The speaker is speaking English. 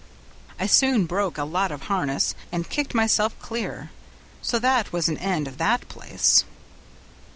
I soon broke a lot of harness, and kicked myself clear; so that was an end of that place.